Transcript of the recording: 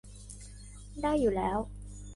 ได้อยู่แล้ว